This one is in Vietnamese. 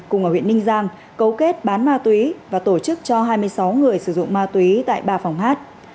cùng ở huyện ninh giang cấu kết bán ma túy và tổ chức cho hai mươi sáu người sử dụng ma túy tại ba phòng hát